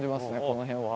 この辺は。